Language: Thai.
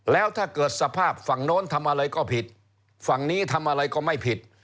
แล้วถ้าเกิดสภาพฝั่งโน้นทำอะไรก็ผิดฝั่งนี้ทำอะไรก็ไม่ผิด